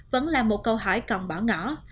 vẫn là một câu hỏi còn bỏ ngỏ